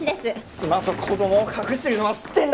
妻と子供を隠してるのは知ってんだ！